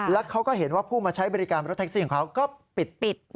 แล้วเขาก็เห็นว่าผู้มาใช้บริการรถแท็กซี่ของเขาก็ปิด